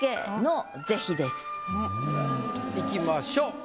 いきましょう。